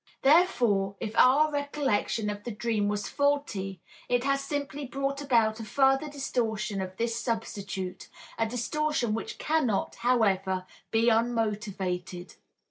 Therefore if our recollection of the dream was faulty, it has simply brought about a further distortion of this substitute, a distortion which cannot, however, be unmotivated.